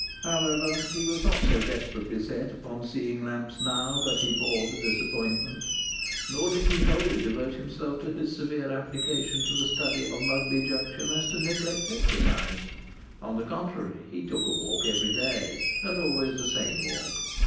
However, he was not so desperately set upon seeing Lamps now, but he bore the disappointment. Nor did he so wholly devote himself to his severe application to the study of Mugby Junction, as to neglect exercise. On the contrary, he took a walk every day, and always the same walk.